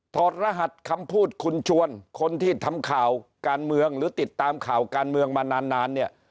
ถอดรหัสคำพูดคุณชวนคนที่ทำข่าวการเมืองหรือติดตามข่าวการเมืองมานานเนี่ย